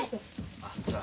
あじゃあ。